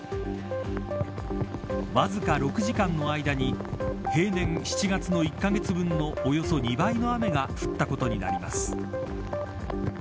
わずか６時間の間に平年７月の１カ月分のおよそ２倍の雨が降ったことになります。